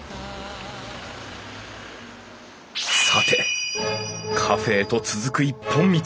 さてカフェへと続く一本道。